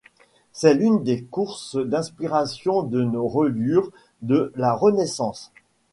C’est l’une des sources d’inspiration de nos reliures de la Renaissance.